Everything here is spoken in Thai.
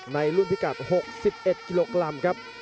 ในรุ่นพิกัด๖๑กิโลกรัมครับ